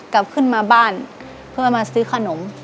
กลับขึ้นมาบ้านเพื่อมาซื้อขนม